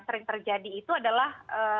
sering terjadi itu adalah